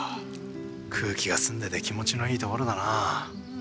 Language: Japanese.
空気が澄んでて気持ちのいいところだなあ。